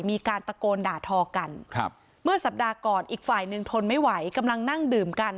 มีการตะโกนด่าทอกันครับเมื่อสัปดาห์ก่อนอีกฝ่ายหนึ่งทนไม่ไหวกำลังนั่งดื่มกัน